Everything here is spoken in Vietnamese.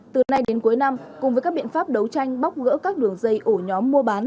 từ nay đến cuối năm cùng với các biện pháp đấu tranh bóc gỡ các đường dây ổ nhóm mua bán